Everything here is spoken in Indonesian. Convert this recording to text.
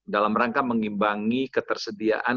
dalam rangka mengimbangi ketersediaan